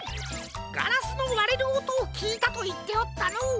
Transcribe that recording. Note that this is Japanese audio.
ガラスのわれるおとをきいたといっておったのう。